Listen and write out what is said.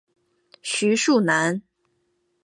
徐树楠。